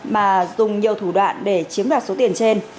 mà dùng nhiều thủ đoạn để chiếm đoạt số tiền trên